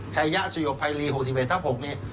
ชายะสุโยคไพรี๖๑ทัพ๖เนี่ย